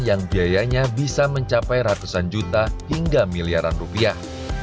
yang biayanya bisa mencapai ratusan juta hingga miliaran rupiah